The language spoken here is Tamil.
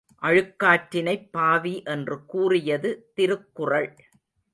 அழுக்காற்றினைப் பாவி என்று கூறியது திருக்குறள்.